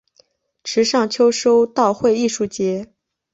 池上秋收稻穗艺术节